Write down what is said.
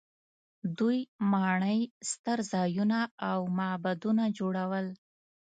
دوی ماڼۍ، ستر ځایونه او معبدونه جوړول.